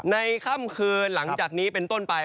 ค่ำคืนหลังจากนี้เป็นต้นไป